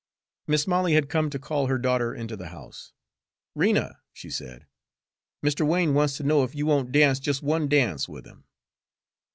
Mis' Molly had come to call her daughter into the house. "Rena," she said, "Mr. Wain wants ter know if you won't dance just one dance with him."